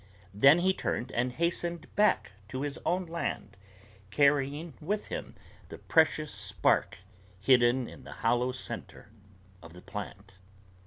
Then he turned and hastened back to his own land, carrying with him the precious spark hidden in the hollow center of the plant.